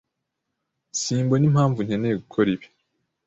Simbona impamvu nkeneye gukora ibi.